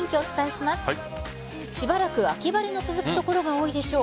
しばらく秋晴れの続く所が多いでしょう。